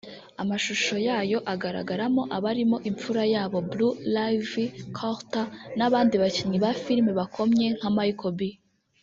amashusho yayo agaragaramo abarimo imfura yabo Blue Ivy Carter n’abandi bakinnyi ba filime bakomye nka Michael B